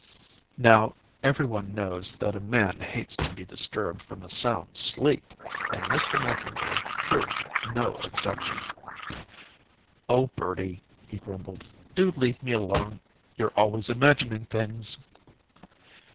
Now, every one knows that a man hates to be disturbed from a sound sleep, and Mr. Mocking Bird proved no exception. "Oh, birdie," he grumbled, "do leave me alone; you're always imagining things."